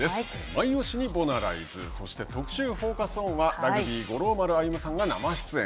マイオシにボナライズそして特集「Ｆｏｃｕｓｏｎ」はラグビー五郎丸歩さんが生出演。